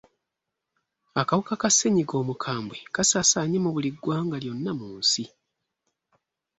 Akawuka ka ssennyiga omukambwe kasaasaanye mu buli ggwanga lyonna mu nsi.